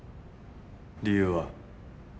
理由は？